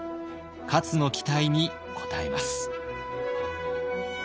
勝の期待に応えます。